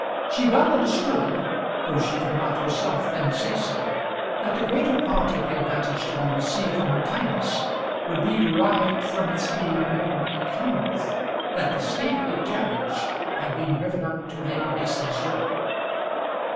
She well understood, though she could not herself then say so, that the greater part of the advantage to be received from her kindness would be derived from its being known at Hamworth that the Staveley carriage had been driven up to Lady Mason's door.